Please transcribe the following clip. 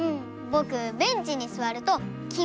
ぼくベンチにすわるとき